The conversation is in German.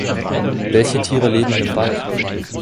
Welche Tiere leben im Wald?